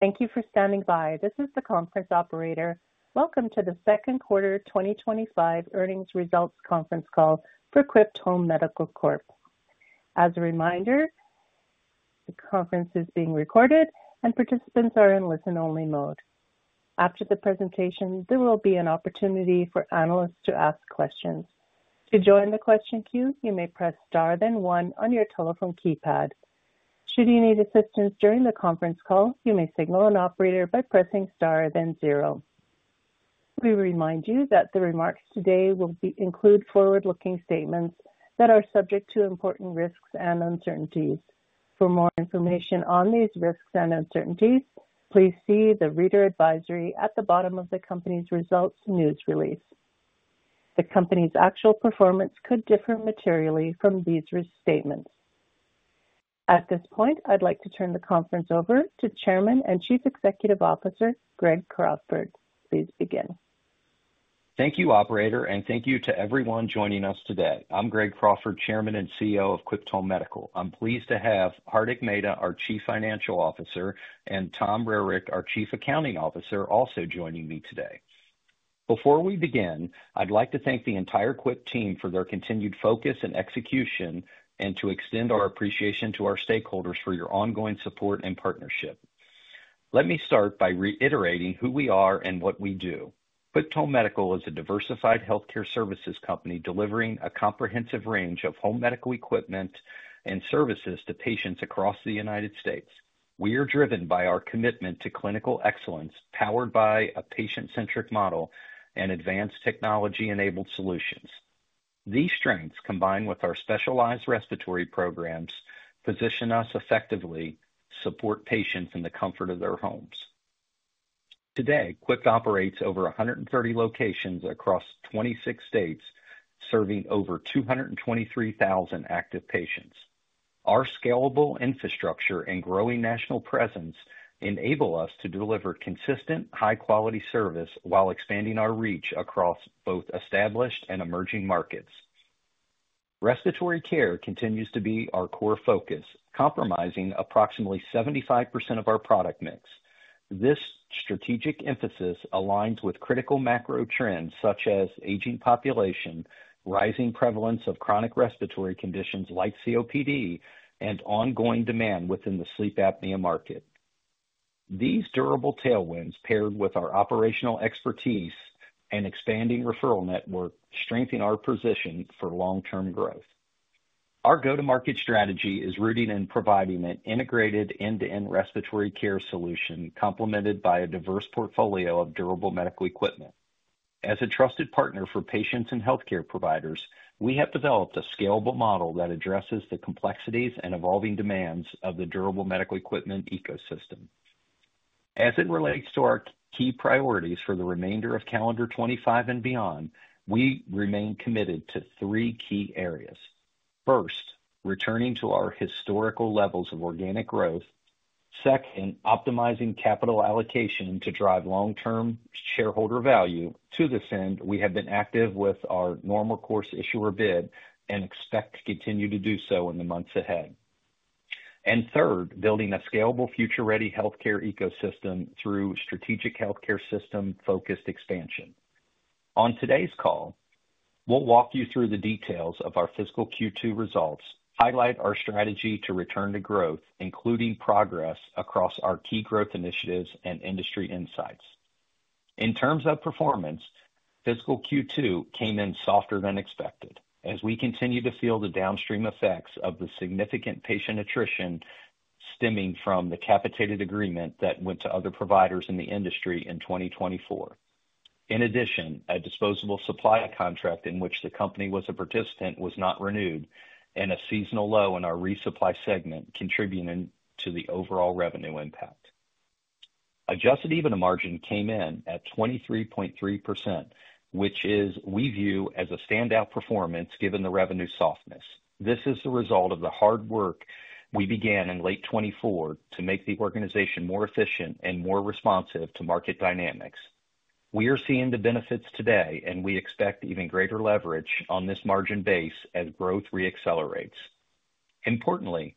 Thank you for standing by. This is the conference operator. Welcome to the second quarter 2025 earnings results conference call for Quipt Home Medical Corp. As a reminder, the conference is being recorded and participants are in listen-only mode. After the presentation, there will be an opportunity for analysts to ask questions. To join the question queue, you may press star then one on your telephone keypad. Should you need assistance during the conference call, you may signal an operator by pressing star then zero. We remind you that the remarks today will include forward-looking statements that are subject to important risks and uncertainties. For more information on these risks and uncertainties, please see the reader advisory at the bottom of the company's results news release. The company's actual performance could differ materially from these statements. At this point, I'd like to turn the conference over to Chairman and Chief Executive Officer Greg Crawford. Please begin. Thank you, Operator, and thank you to everyone joining us today. I'm Greg Crawford, Chairman and CEO of Quipt Home Medical. I'm pleased to have Hardik Mehta, our Chief Financial Officer, and Tom Rarick, our Chief Accounting Officer, also joining me today. Before we begin, I'd like to thank the entire Quipt team for their continued focus and execution, and to extend our appreciation to our stakeholders for your ongoing support and partnership. Let me start by reiterating who we are and what we do. Quipt Home Medical is a diversified healthcare services company delivering a comprehensive range of home medical equipment and services to patients across the United States. We are driven by our commitment to clinical excellence, powered by a patient-centric model and advanced technology-enabled solutions. These strengths, combined with our specialized respiratory programs, position us effectively to support patients in the comfort of their homes. Today, Quipt operates over 130 locations across 26 states, serving over 223,000 active patients. Our scalable infrastructure and growing national presence enable us to deliver consistent, high-quality service while expanding our reach across both established and emerging markets. Respiratory care continues to be our core focus, comprising approximately 75% of our product mix. This strategic emphasis aligns with critical macro trends such as aging population, rising prevalence of chronic respiratory conditions like COPD, and ongoing demand within the sleep apnea market. These durable tailwinds, paired with our operational expertise and expanding referral network, strengthen our position for long-term growth. Our go-to-market strategy is rooted in providing an integrated end-to-end respiratory care solution, complemented by a diverse portfolio of durable medical equipment. As a trusted partner for patients and healthcare providers, we have developed a scalable model that addresses the complexities and evolving demands of the durable medical equipment ecosystem. As it relates to our key priorities for the remainder of calendar 2025 and beyond, we remain committed to three key areas. First, returning to our historical levels of organic growth. Second, optimizing capital allocation to drive long-term shareholder value. To this end, we have been active with our normal course issuer bid and expect to continue to do so in the months ahead. Third, building a scalable, future-ready healthcare ecosystem through strategic healthcare system-focused expansion. On today's call, we'll walk you through the details of our fiscal Q2 results, highlight our strategy to return to growth, including progress across our key growth initiatives and industry insights. In terms of performance, fiscal Q2 came in softer than expected as we continue to feel the downstream effects of the significant patient attrition stemming from the capitated agreement that went to other providers in the industry in 2024. In addition, a disposable supply contract in which the company was a participant was not renewed, and a seasonal low in our resupply segment contributed to the overall revenue impact. Adjusted EBITDA margin came in at 23.3%, which we view as a standout performance given the revenue softness. This is the result of the hard work we began in late 2024 to make the organization more efficient and more responsive to market dynamics. We are seeing the benefits today, and we expect even greater leverage on this margin base as growth reaccelerates. Importantly,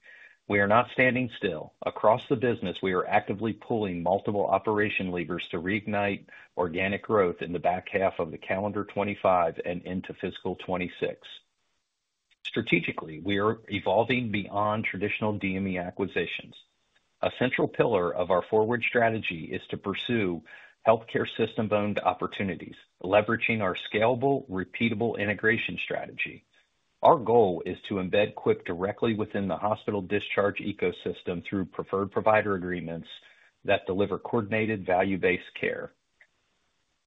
we are not standing still. Across the business, we are actively pulling multiple operation levers to reignite organic growth in the back half of the calendar 2025 and into fiscal 2026. Strategically, we are evolving beyond traditional DME acquisitions. A central pillar of our forward strategy is to pursue healthcare system-owned opportunities, leveraging our scalable, repeatable integration strategy. Our goal is to embed Quipt directly within the hospital discharge ecosystem through preferred provider agreements that deliver coordinated, value-based care.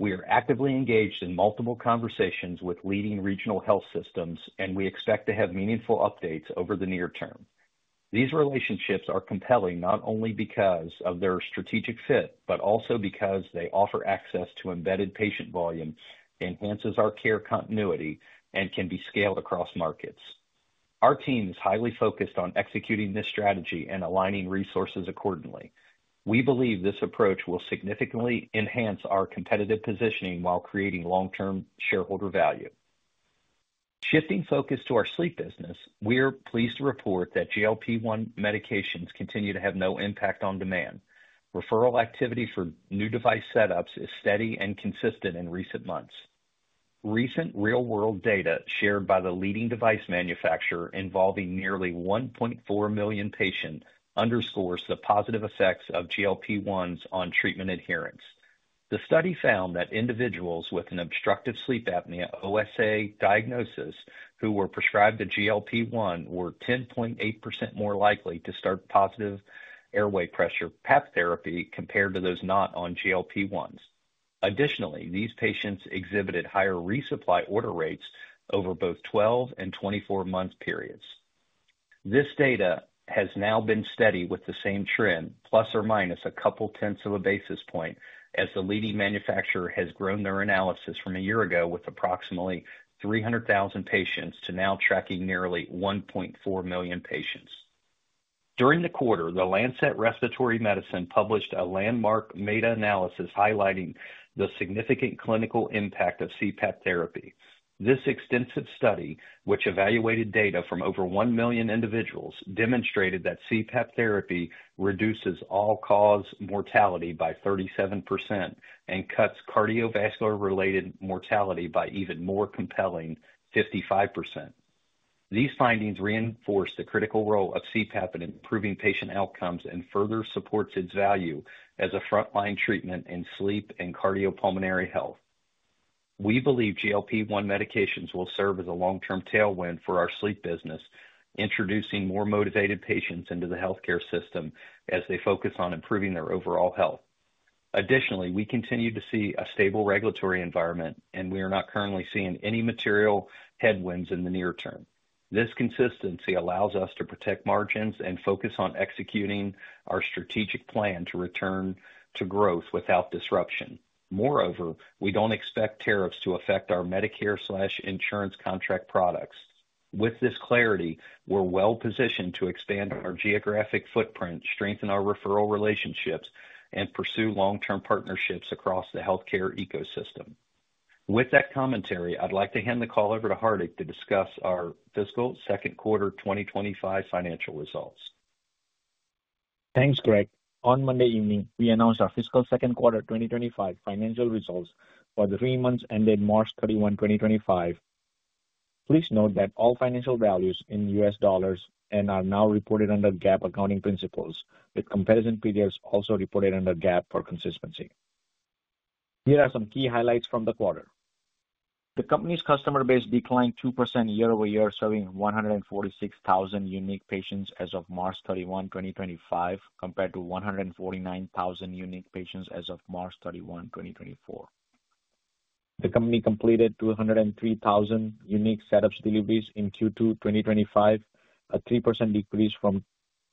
We are actively engaged in multiple conversations with leading regional health systems, and we expect to have meaningful updates over the near term. These relationships are compelling not only because of their strategic fit, but also because they offer access to embedded patient volume, enhance our care continuity, and can be scaled across markets. Our team is highly focused on executing this strategy and aligning resources accordingly. We believe this approach will significantly enhance our competitive positioning while creating long-term shareholder value. Shifting focus to our sleep business, we are pleased to report that GLP-1 medications continue to have no impact on demand. Referral activity for new device setups is steady and consistent in recent months. Recent real-world data shared by the leading device manufacturer involving nearly 1.4 million patients underscores the positive effects of GLP-1s on treatment adherence. The study found that individuals with an Obstructive Sleep Apnea (OSA) diagnosis who were prescribed a GLP-1 were 10.8% more likely to start positive airway pressure PAP therapy compared to those not on GLP-1s. Additionally, these patients exhibited higher resupply order rates over both 12 and 24-month periods. This data has now been steady with the same trend, plus or minus a couple tenths of a basis point, as the leading manufacturer has grown their analysis from a year ago with approximately 300,000 patients to now tracking nearly 1.4 million patients. During the quarter, The Lancet Respiratory Medicine published a landmark meta-analysis highlighting the significant clinical impact of CPAP therapy. This extensive study, which evaluated data from over 1 million individuals, demonstrated that CPAP therapy reduces all-cause mortality by 37% and cuts cardiovascular-related mortality by an even more compelling 55%. These findings reinforce the critical role of CPAP in improving patient outcomes and further support its value as a frontline treatment in sleep and cardiopulmonary health. We believe GLP-1 medications will serve as a long-term tailwind for our sleep business, introducing more motivated patients into the healthcare system as they focus on improving their overall health. Additionally, we continue to see a stable regulatory environment, and we are not currently seeing any material headwinds in the near term. This consistency allows us to protect margins and focus on executing our strategic plan to return to growth without disruption. Moreover, we don't expect tariffs to affect our Medicare/insurance contract products. With this clarity, we're well-positioned to expand our geographic footprint, strengthen our referral relationships, and pursue long-term partnerships across the healthcare ecosystem. With that commentary, I'd like to hand the call over to Hardik to discuss our fiscal second quarter 2025 financial results. Thanks, Greg. On Monday evening, we announced our fiscal second quarter 2025 financial results for the three months ended March 31, 2025. Please note that all financial values in US dollars are now reported under GAAP accounting principles, with comparison periods also reported under GAAP for consistency. Here are some key highlights from the quarter. The company's customer base declined 2% year-over-year, serving 146,000 unique patients as of March 31, 2025, compared to 149,000 unique patients as of March 31, 2024. The company completed 203,000 unique setups deliveries in Q2 2025, a 3% decrease from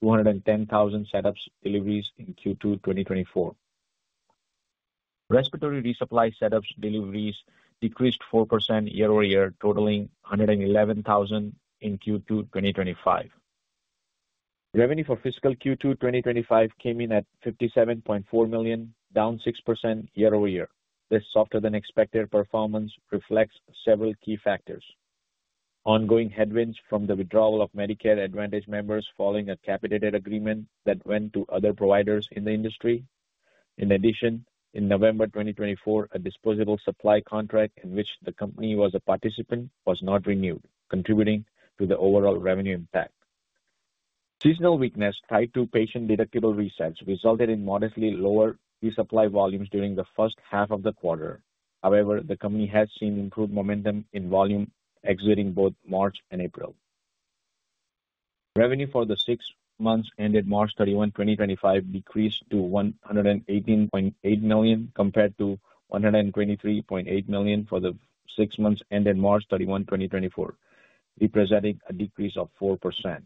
210,000 setups deliveries in Q2 2024. Respiratory resupply setups deliveries decreased 4% year-over-year, totaling 111,000 in Q2 2025. Revenue for fiscal Q2 2025 came in at $57.4 million, down 6% year-over-year. This softer-than-expected performance reflects several key factors: ongoing headwinds from the withdrawal of Medicare Advantage members following a capitated agreement that went to other providers in the industry. In addition, in November 2024, a disposable supply contract in which the company was a participant was not renewed, contributing to the overall revenue impact. Seasonal weakness, type 2 patient deductible resets, resulted in modestly lower resupply volumes during the first half of the quarter. However, the company has seen improved momentum in volume exiting both March and April. Revenue for the six months ended March 31, 2025, decreased to $118.8 million compared to $123.8 million for the six months ended March 31, 2024, representing a decrease of 4%.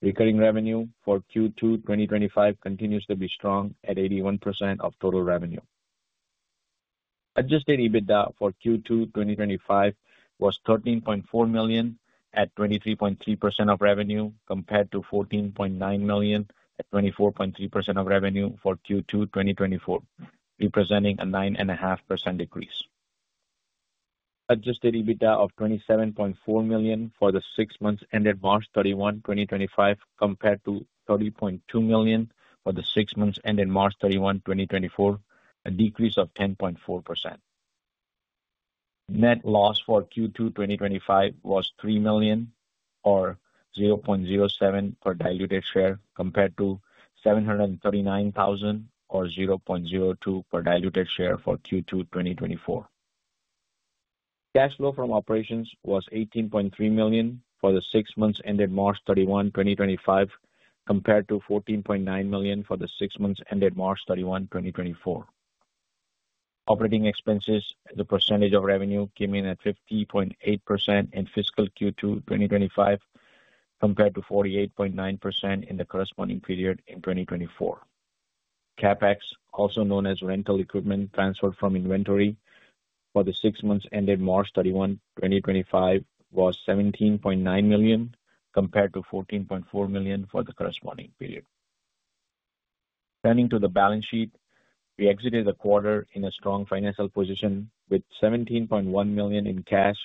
Recurring revenue for Q2 2025 continues to be strong at 81% of total revenue. Adjusted EBITDA for Q2 2025 was $13.4 million at 23.3% of revenue compared to $14.9 million at 24.3% of revenue for Q2 2024, representing a 9.5% decrease. Adjusted EBITDA of $27.4 million for the six months ended March 31, 2025, compared to $30.2 million for the six months ended March 31, 2024, a decrease of 10.4%. Net loss for Q2 2025 was $3 million or $0.07 per diluted share compared to $739,000 or $0.02 per diluted share for Q2 2024. Cash flow from operations was $18.3 million for the six months ended March 31, 2025, compared to $14.9 million for the six months ended March 31, 2024. Operating expenses, the percentage of revenue, came in at 50.8% in fiscal Q2 2025 compared to 48.9% in the corresponding period in 2024. CapEx, also known as rental equipment transferred from inventory for the six months ended March 31, 2025, was $17.9 million compared to $14.4 million for the corresponding period. Turning to the balance sheet, we exited the quarter in a strong financial position with $17.1 million in cash,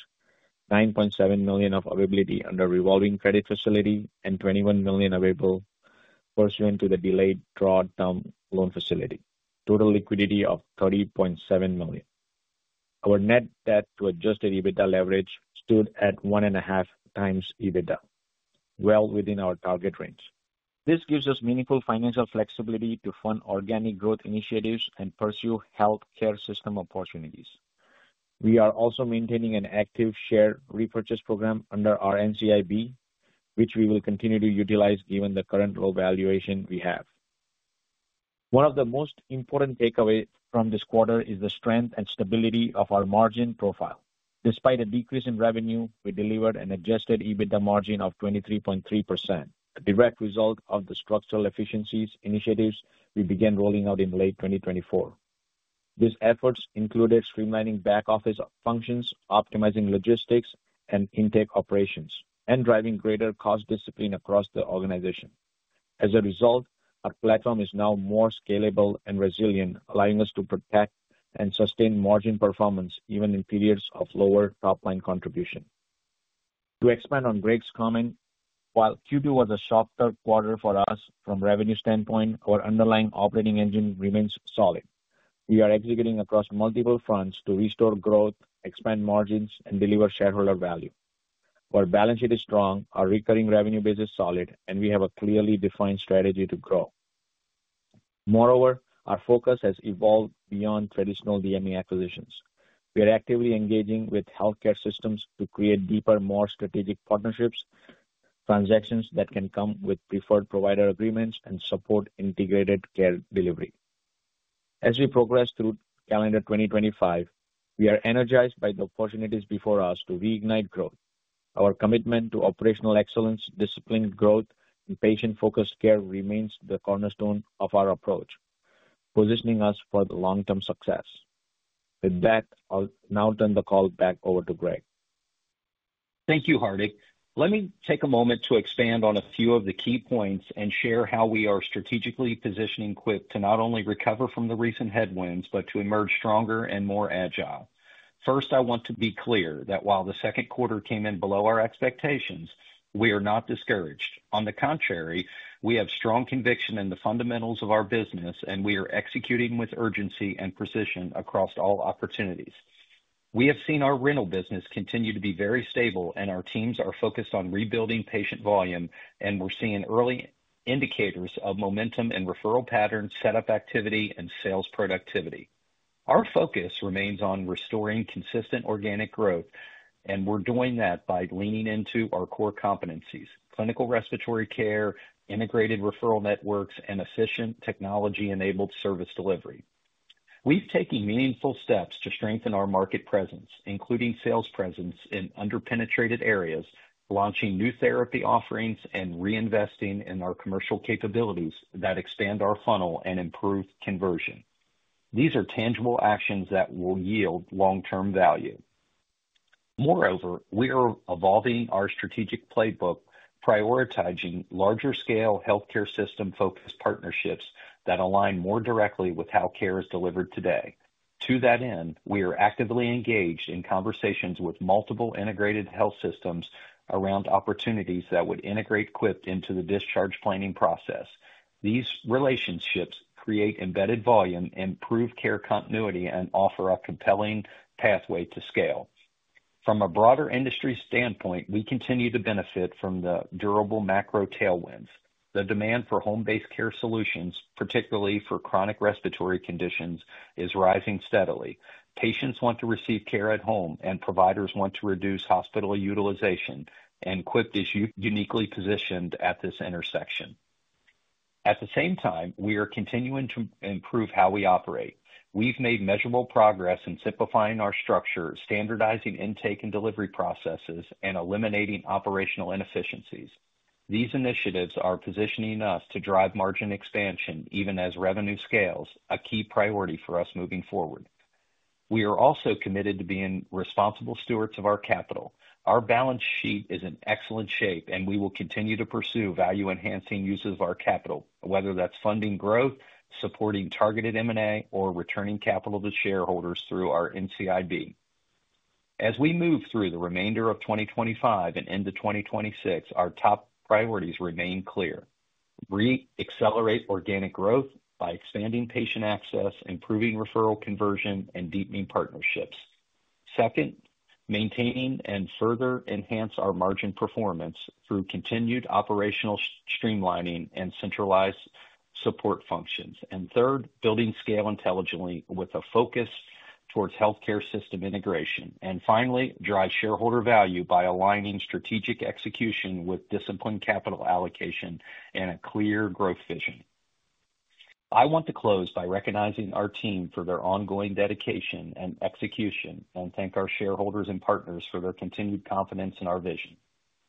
$9.7 million of availability under revolving credit facility, and $21 million available pursuant to the delayed drawdown loan facility, total liquidity of $30.7 million. Our net debt to adjusted EBITDA leverage stood at 1.5 times EBITDA, well within our target range. This gives us meaningful financial flexibility to fund organic growth initiatives and pursue healthcare system opportunities. We are also maintaining an active share repurchase program under our NCIB, which we will continue to utilize given the current low valuation we have. One of the most important takeaways from this quarter is the strength and stability of our margin profile. Despite a decrease in revenue, we delivered an adjusted EBITDA margin of 23.3%, a direct result of the structural efficiencies initiatives we began rolling out in late 2024. These efforts included streamlining back office functions, optimizing logistics and intake operations, and driving greater cost discipline across the organization. As a result, our platform is now more scalable and resilient, allowing us to protect and sustain margin performance even in periods of lower top-line contribution. To expand on Greg's comment, while Q2 was a softer quarter for us from a revenue standpoint, our underlying operating engine remains solid. We are executing across multiple fronts to restore growth, expand margins, and deliver shareholder value. Our balance sheet is strong, our recurring revenue base is solid, and we have a clearly defined strategy to grow. Moreover, our focus has evolved beyond traditional DME acquisitions. We are actively engaging with healthcare systems to create deeper, more strategic partnerships, transactions that can come with preferred provider agreements, and support integrated care delivery. As we progress through calendar 2025, we are energized by the opportunities before us to reignite growth. Our commitment to operational excellence, disciplined growth, and patient-focused care remains the cornerstone of our approach, positioning us for long-term success. With that, I'll now turn the call back over to Greg. Thank you, Hardik. Let me take a moment to expand on a few of the key points and share how we are strategically positioning Quipt to not only recover from the recent headwinds, but to emerge stronger and more agile. First, I want to be clear that while the second quarter came in below our expectations, we are not discouraged. On the contrary, we have strong conviction in the fundamentals of our business, and we are executing with urgency and precision across all opportunities. We have seen our rental business continue to be very stable, and our teams are focused on rebuilding patient volume, and we're seeing early indicators of momentum in referral pattern setup activity and sales productivity. Our focus remains on restoring consistent organic growth, and we're doing that by leaning into our core competencies: clinical respiratory care, integrated referral networks, and efficient technology-enabled service delivery. We've taken meaningful steps to strengthen our market presence, including sales presence in underpenetrated areas, launching new therapy offerings, and reinvesting in our commercial capabilities that expand our funnel and improve conversion. These are tangible actions that will yield long-term value. Moreover, we are evolving our strategic playbook, prioritizing larger-scale healthcare system-focused partnerships that align more directly with how care is delivered today. To that end, we are actively engaged in conversations with multiple integrated health systems around opportunities that would integrate Quipt into the discharge planning process. These relationships create embedded volume, improve care continuity, and offer a compelling pathway to scale. From a broader industry standpoint, we continue to benefit from the durable macro tailwinds. The demand for home-based care solutions, particularly for chronic respiratory conditions, is rising steadily. Patients want to receive care at home, and providers want to reduce hospital utilization, and Quipt is uniquely positioned at this intersection. At the same time, we are continuing to improve how we operate. We've made measurable progress in simplifying our structure, standardizing intake and delivery processes, and eliminating operational inefficiencies. These initiatives are positioning us to drive margin expansion even as revenue scales, a key priority for us moving forward. We are also committed to being responsible stewards of our capital. Our balance sheet is in excellent shape, and we will continue to pursue value-enhancing uses of our capital, whether that's funding growth, supporting targeted M&A, or returning capital to shareholders through our NCIB. As we move through the remainder of 2025 and into 2026, our top priorities remain clear. Three, accelerate organic growth by expanding patient access, improving referral conversion, and deepening partnerships. Second, maintain and further enhance our margin performance through continued operational streamlining and centralized support functions. Third, building scale intelligently with a focus towards healthcare system integration. Finally, drive shareholder value by aligning strategic execution with disciplined capital allocation and a clear growth vision. I want to close by recognizing our team for their ongoing dedication and execution and thank our shareholders and partners for their continued confidence in our vision.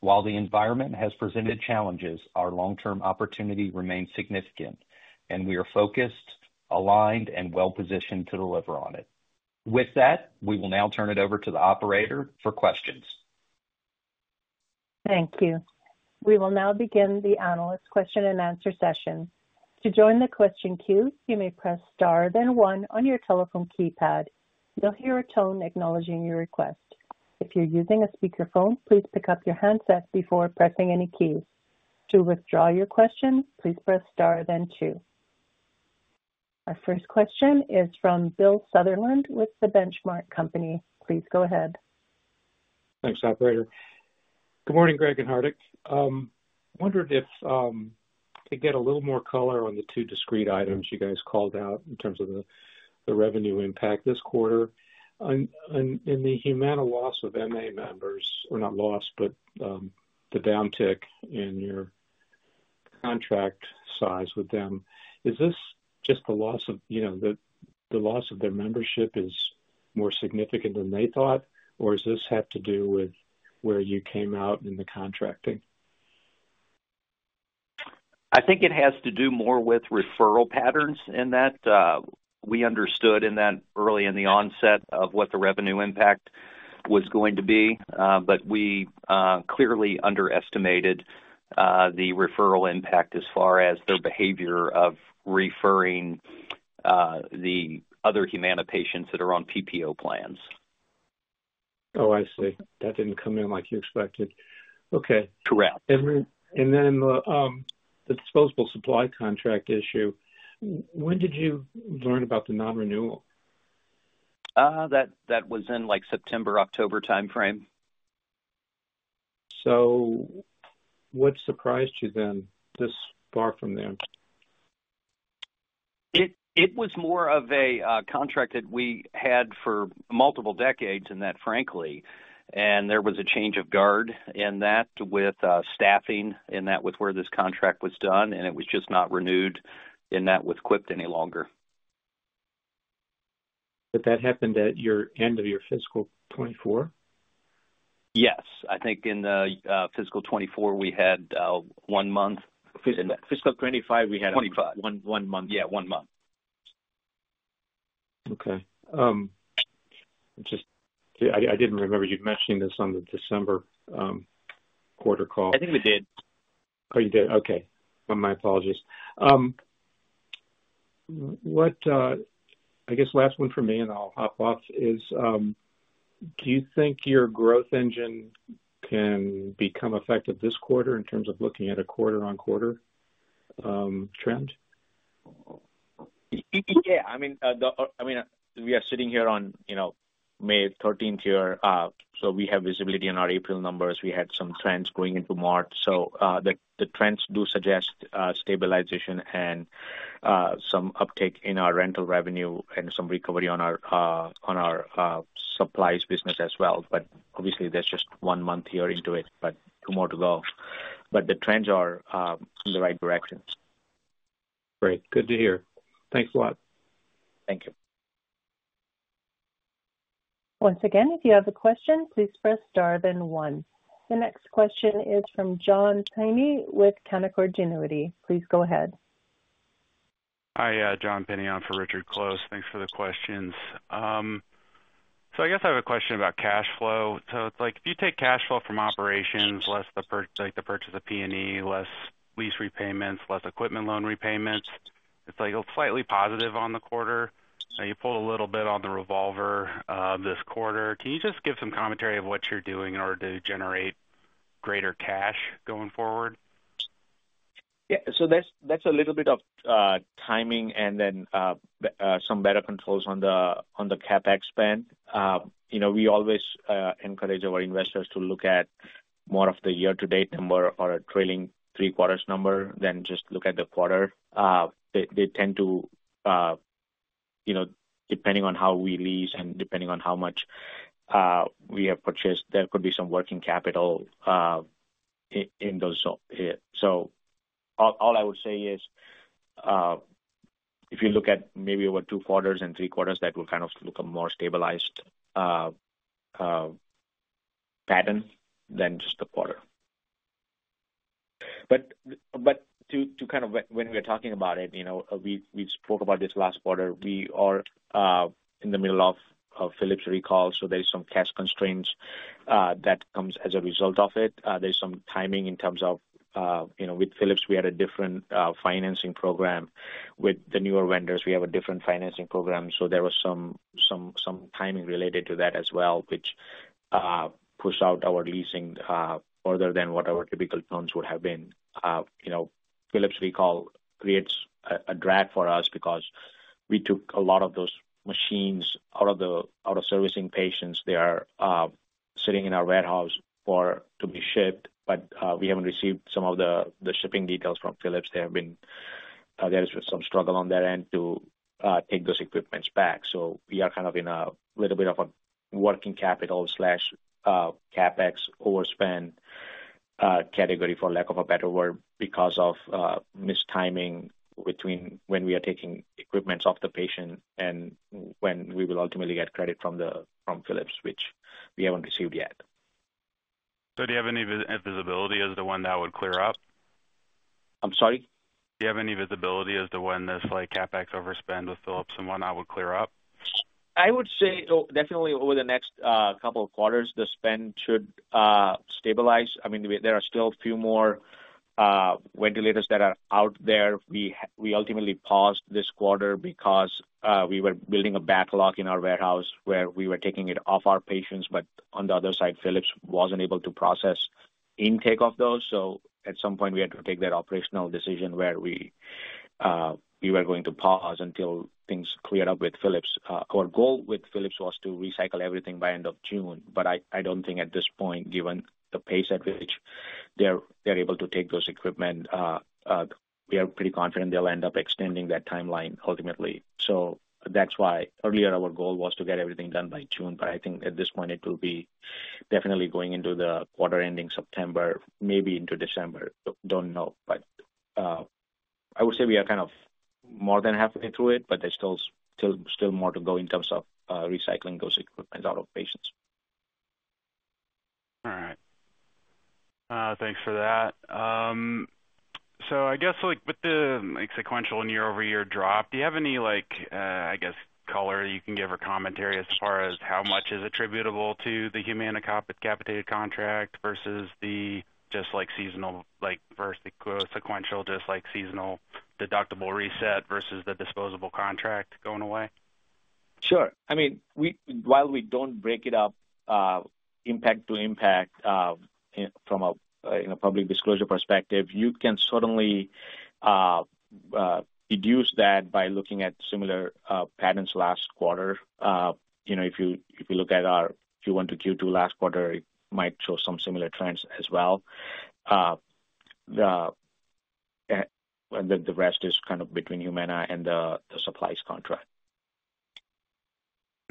While the environment has presented challenges, our long-term opportunity remains significant, and we are focused, aligned, and well-positioned to deliver on it. With that, we will now turn it over to the operator for questions. Thank you. We will now begin the analyst question-and-answer session. To join the question queue, you may press star, then one on your telephone keypad. You'll hear a tone acknowledging your request. If you're using a speakerphone, please pick up your handset before pressing any keys. To withdraw your question, please press star, then two. Our first question is from Bill Sutherland with The Benchmark Company. Please go ahead. Thanks, Operator. Good morning, Greg and Hardik. I wondered if, to get a little more color on the two discrete items you guys called out in terms of the revenue impact this quarter, in the Humana loss of MA members, or not loss, but the downtick in your contract size with them, is this just the loss of, you know, the loss of their membership is more significant than they thought, or does this have to do with where you came out in the contracting? I think it has to do more with referral patterns in that we understood in that early in the onset of what the revenue impact was going to be, but we clearly underestimated the referral impact as far as their behavior of referring the other Humana patients that are on PPO plans. Oh, I see. That didn't come in like you expected. Okay. Correct. The disposable supply contract issue, when did you learn about the non-renewal? That was in like September, October timeframe. What surprised you then this far from there? It was more of a contract that we had for multiple decades in that, frankly, and there was a change of guard in that with staffing in that with where this contract was done, and it was just not renewed in that with Quipt any longer. That happened at your end of your fiscal 2024? Yes. I think in the fiscal 2024, we had one month. Fiscal 2025, we had one month. Yeah, one month. Okay. I didn't remember you mentioning this on the December quarter call. I think we did. Oh, you did? Okay. My apologies. I guess last one for me, and I'll hop off, is do you think your growth engine can become effective this quarter in terms of looking at a quarter-on-quarter trend? Yeah. I mean, we are sitting here on, you know, May 13th here, so we have visibility on our April numbers. We had some trends going into March. The trends do suggest stabilization and some uptake in our rental revenue and some recovery on our supplies business as well. Obviously, there's just one month here into it, but two more to go. The trends are in the right direction. Great. Good to hear. Thanks a lot. Thank you. Once again, if you have a question, please press star, then one. The next question is from John Penney with Canaccord Genuity. Please go ahead. Hi, John Penney on for Richard Close. Thanks for the questions. I have a question about cash flow. If you take cash flow from operations, like the purchase of P&E, less lease repayments, less equipment loan repayments, it is slightly positive on the quarter. You pulled a little bit on the revolver this quarter. Can you just give some commentary of what you are doing in order to generate greater cash going forward? Yeah. So that's a little bit of timing and then some better controls on the CapEx spend. You know, we always encourage our investors to look at more of the year-to-date number or a trailing three-quarters number than just look at the quarter. They tend to, you know, depending on how we lease and depending on how much we have purchased, there could be some working capital in those zones. All I would say is if you look at maybe over two quarters and three quarters, that will kind of look a more stabilized pattern than just the quarter. To kind of, when we are talking about it, you know, we spoke about this last quarter. We are in the middle of Philips recall, so there's some cash constraints that come as a result of it. There's some timing in terms of, you know, with Philips, we had a different financing program. With the newer vendors, we have a different financing program. So there was some timing related to that as well, which pushed out our leasing further than what our typical terms would have been. You know, Philips recall creates a drag for us because we took a lot of those machines out of servicing patients. They are sitting in our warehouse to be shipped, but we haven't received some of the shipping details from Philips. There has been some struggle on their end to take those equipment back. We are kind of in a little bit of a working capital/CapEx overspend category, for lack of a better word, because of missed timing between when we are taking equipment off the patient and when we will ultimately get credit from Philips, which we have not received yet. Do you have any visibility as to when that would clear up? I'm sorry? Do you have any visibility as to when this CapEx overspend with Philips and when that would clear up? I would say definitely over the next couple of quarters, the spend should stabilize. I mean, there are still a few more ventilators that are out there. We ultimately paused this quarter because we were building a backlog in our warehouse where we were taking it off our patients, but on the other side, Philips was not able to process intake of those. At some point, we had to take that operational decision where we were going to pause until things cleared up with Philips. Our goal with Philips was to recycle everything by end of June, but I do not think at this point, given the pace at which they are able to take those equipment, we are pretty confident they will end up extending that timeline ultimately. That's why earlier our goal was to get everything done by June, but I think at this point, it will be definitely going into the quarter ending September, maybe into December. Don't know, but I would say we are kind of more than halfway through it, but there's still more to go in terms of recycling those equipments out of patients. All right. Thanks for that. I guess with the sequential and year-over-year drop, do you have any, I guess, color that you can give or commentary as far as how much is attributable to the Humana capitated contract versus just like seasonal versus the sequential, just like seasonal deductible reset versus the disposable contract going away? Sure. I mean, while we do not break it up impact to impact from a public disclosure perspective, you can certainly deduce that by looking at similar patterns last quarter. You know, if you look at our Q1 to Q2 last quarter, it might show some similar trends as well. The rest is kind of between Humana and the supplies contract.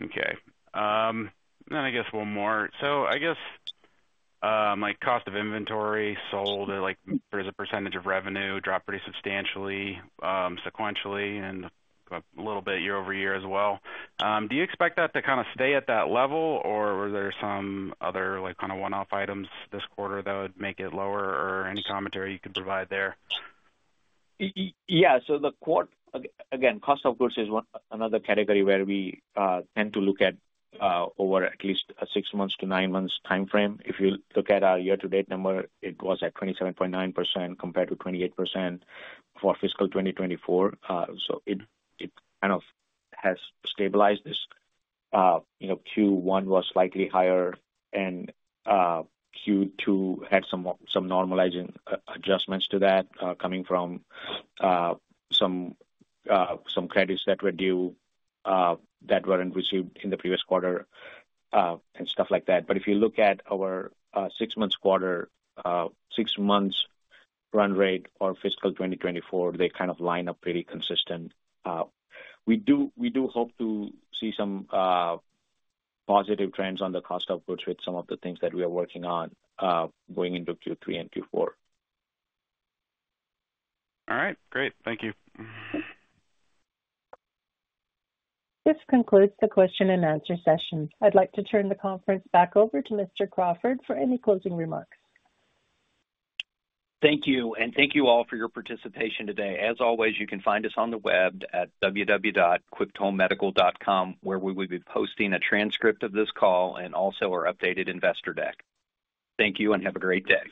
Okay. I guess one more. I guess cost of inventory sold as a percentage of revenue dropped pretty substantially sequentially and a little bit year-over-year as well. Do you expect that to kind of stay at that level, or are there some other kind of one-off items this quarter that would make it lower, or any commentary you could provide there? Yeah. So the quarter, again, cost of goods is another category where we tend to look at over at least a six months to nine months timeframe. If you look at our year-to-date number, it was at 27.9% compared to 28% for fiscal 2024. So it kind of has stabilized this. You know, Q1 was slightly higher, and Q2 had some normalizing adjustments to that coming from some credits that were due that were not received in the previous quarter and stuff like that. If you look at our six-months quarter, six-months run rate for fiscal 2024, they kind of line up pretty consistent. We do hope to see some positive trends on the cost of goods with some of the things that we are working on going into Q3 and Q4. All right. Great. Thank you. This concludes the question and answer session. I'd like to turn the conference back over to Mr. Crawford for any closing remarks. Thank you. Thank you all for your participation today. As always, you can find us on the web at www.quipthomemedical.com, where we will be posting a transcript of this call and also our updated investor deck. Thank you and have a great day.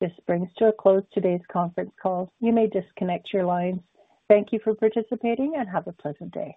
This brings to a close today's conference call. You may disconnect your lines. Thank you for participating and have a pleasant day.